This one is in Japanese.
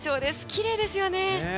きれいですよね。